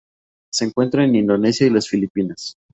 Se encuentra en Indonesia y las Filipinas.